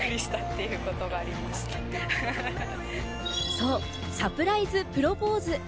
そう、サプライズプロポーズ。